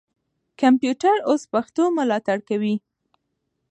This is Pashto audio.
کمپیوټر اوس پښتو ملاتړ کوي.